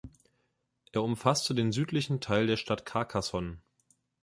Er umfasste den südlichen Teil der Stadt Carcassonne.